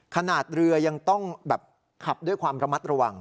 ขนาดเรือยังต้องแบบขับด้วยความระมัดระวัง